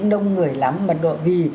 đông người lắm mật độ vì